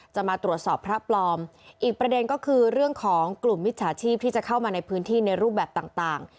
มาตรวจสอบพระปลอมอีกประเด็นก็คือเรื่องของกลุ่มมิจฉาชีพที่จะเข้ามาในพื้นที่ในรูปแบบต่าง